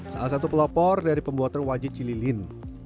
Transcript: salah satu pelopor dari pembuatan wajit cililin